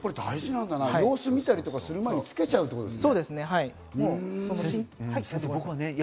様子見たりとかする前につけちゃうってことですね。